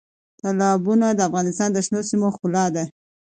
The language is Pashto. تالابونه د افغانستان د شنو سیمو ښکلا ده.